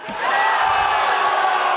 itu namanya baru pukulan